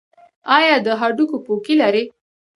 ایا د هډوکو پوکي لرئ؟